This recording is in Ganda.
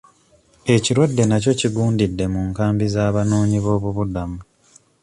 Ekirwadde nakyo kigundidde mu nkambi z'abanoonyi b'obubuddamu.